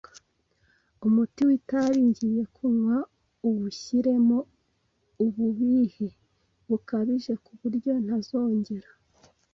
umuti w’itabi ngiye kunywa uwushyiremo ububihe bukabije ku buryo ntazongera